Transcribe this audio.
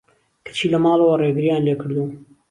کەچی لە ماڵەوە رێگریان لێکردووم